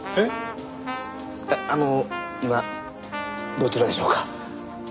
いやあの今どちらでしょうか？